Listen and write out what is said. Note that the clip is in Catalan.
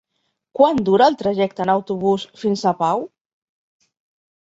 Quant dura el trajecte en autobús fins a Pau?